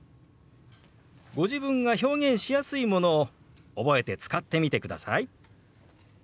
ご自分が表現しやすいものを覚えて使ってみてください。